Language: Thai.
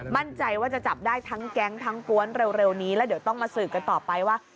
มั่นใจว่าจะจับได้ทั้งแก๊งทั้งกวนเร็วนี้แล้วเดี๋ยวต้องมาสืบกันต่อไปว่า